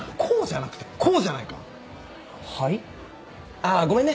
あっごめんね。